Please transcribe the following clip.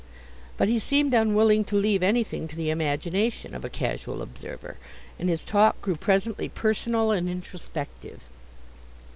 But he seemed unwilling to leave anything to the imagination of a casual observer, and his talk grew presently personal and introspective.